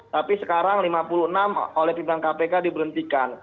tapi sekarang lima puluh enam oleh pimpinan kpk diberhentikan